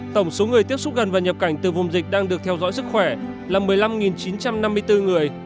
tổng số người tiếp xúc gần và nhập cảnh từ vùng dịch đang được theo dõi sức khỏe là một mươi năm chín trăm năm mươi bốn người